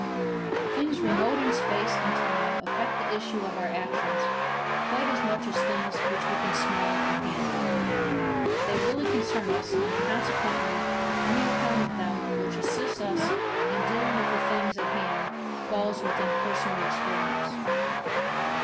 Things remote in space and time affect the issue of our actions quite as much as things which we can smell and handle. They really concern us, and, consequently, any account of them which assists us in dealing with things at hand falls within personal experience.